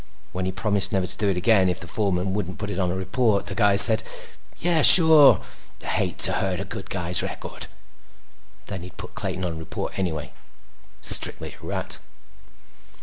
When he promised never to do it again if the foreman wouldn't put it on report, the guy said, "Yeah. Sure. Hate to hurt a guy's record." Then he'd put Clayton on report anyway. Strictly a rat.